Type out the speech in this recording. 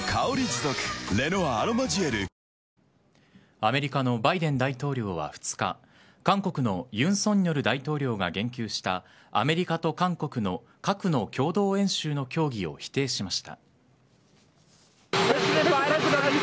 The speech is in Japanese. アメリカのバイデン大統領は２日韓国の尹錫悦大統領が言及したアメリカと韓国の核の共同演習の協議を否定しました。